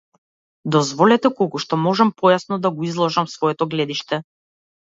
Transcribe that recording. Дозволете колку што можам појасно да го изложам своето гледиште.